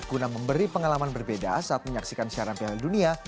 guna memberi pengalaman berbeda saat menyaksikan siaran piala dunia